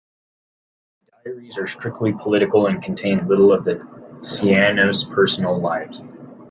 The diaries are strictly political and contain little of the Cianos' personal lives.